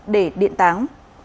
để điện thoại